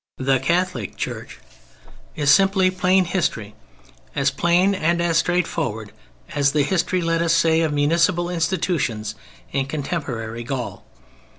] the Catholic Church, is simply plain history, as plain and straightforward as the history, let us say, of municipal institutions in contemporary Gaul.